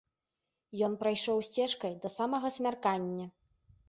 Ён прайшоў сцежкай да самага змяркання.